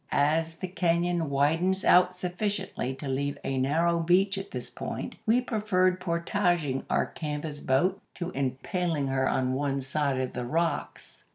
As the cañon widens out sufficiently to leave a narrow beach at this point, we preferred portaging our canvas boat to impaling her on one of the rocks.